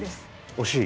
惜しい？